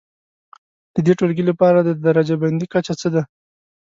د دې ټولګي لپاره د درجه بندي کچه څه ده؟